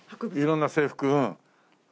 色んな制服うん。